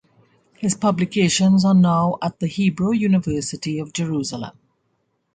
His publications are now at the Hebrew University of Jerusalem.